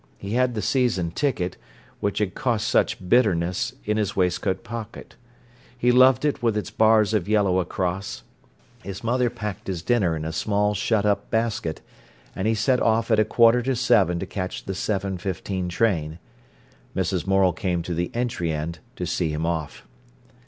He had the season ticket, which had cost such bitterness, in his waistcoat pocket. He loved it with its bars of yellow across. His mother packed his dinner in a small, shut up basket, and he set off at a quarter to seven to catch the 7.15 train. Mrs. Morel came to the entry end to see him off.